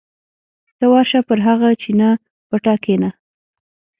ته ورشه پر هغه چینه پټه کېنه.